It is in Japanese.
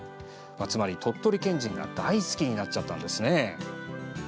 つまり、鳥取県人が大好きになっちゃったんですね。